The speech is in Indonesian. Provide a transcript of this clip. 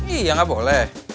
iya gak boleh